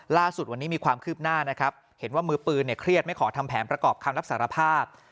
ล่าสุดวันนี้มีความคืบหน้านะครับเห็นว่ามือปืนเนี่ยเครียดไม่ขอทำแผนประกอบคำรับสารภาพ